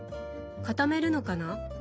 固めるのかな？